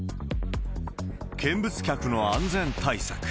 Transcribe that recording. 見物客の安全対策。